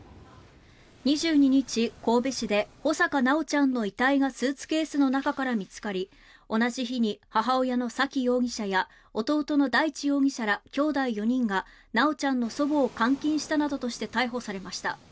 ２２日、神戸市で穂坂修ちゃんの遺体がスーツケースの中から見つかり同じ日に母親の沙喜容疑者や弟の大地容疑者らきょうだい４人が修ちゃんの祖母を監禁したなどとして逮捕されました。